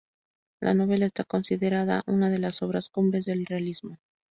La novela está considerada una de las obras cumbres del realismo.